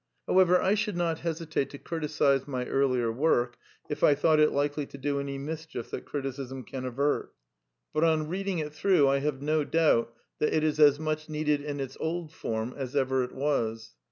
However, I should not hesitate to criticize my earlier work if I thought it likely to do any mis chief that criticism can avert. But on reading it through I have no doubt that it is as much needed in its old form as ever it was.